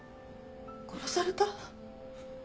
殺された！？